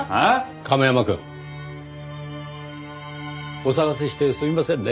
亀山くん。お騒がせしてすみませんね。